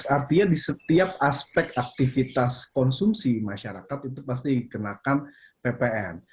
artinya di setiap aspek aktivitas konsumsi masyarakat itu pasti dikenakan ppn